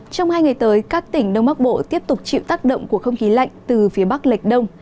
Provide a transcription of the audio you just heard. trong hai ngày tới các tỉnh đông bắc bộ tiếp tục chịu tác động của không khí lạnh từ phía bắc lệch đông